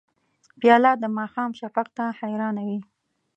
پیاله د ماښام شفق ته حیرانه وي.